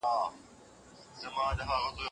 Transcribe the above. دوو کسانو د پیسو په حساب کې تېروتنې وکړې.